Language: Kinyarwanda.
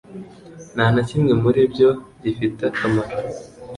nta na kimwe muri ibyo gifite akamaro